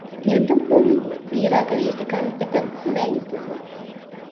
ހިނިތުންވުމުން ވީރާގެ ރީތިކަން އެތަށްގުނައެއް އިތުރުވެ